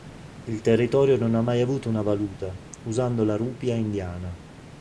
Il territorio non ha mai avuto una valuta, usando la rupia indiana.